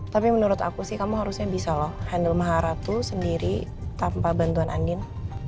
tapi menurut aku sih kamu harusnya bisa loh handle mahara tuh sendiri tanpa bantuan andin